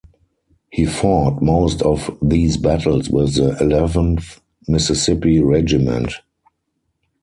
He fought most of these battles with the Eleventh Mississippi Regiment.